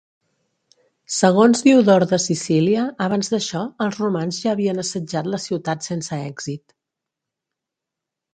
Segons Diodor de Sicília abans d'això els romans ja havien assetjat la ciutat sense èxit.